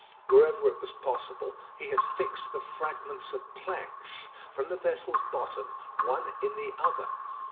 Wherever it was possible, he had fixed the fragments of planks, from the vessel's bottom, one in the other.